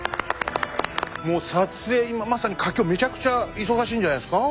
もう撮影今まさに佳境めちゃくちゃ忙しいんじゃないですか？